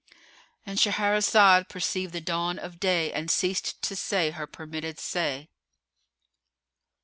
——And Shahrazad perceived the dawn of day and ceased to say her permitted say.